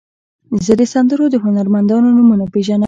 زه د سندرو د هنرمندانو نومونه پیژنم.